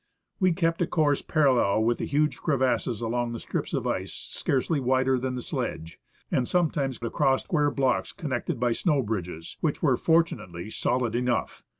We kept a course parallel with the huge crevasses along strips of ice scarcely wider than the sledge, and sometimes across square blocks connected by snow bridges, which were, fortunately, solid enough..